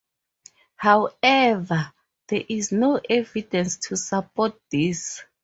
However, there is no evidence to support this.